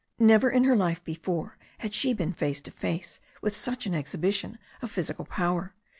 Never in her life before had she been face to face with such an exhibition of physical power.